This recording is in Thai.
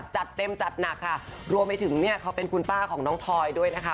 จัดเต็มจัดหนักค่ะรวมไปถึงเนี่ยเขาเป็นคุณป้าของน้องทอยด้วยนะคะ